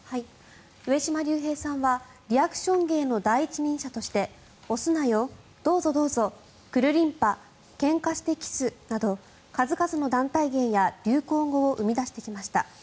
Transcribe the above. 上島竜兵さんはリアクション芸の第一人者として押すなよ、どうぞどうぞクルリンパけんかしてキスなど数々の団体芸や流行語を生み出してきました。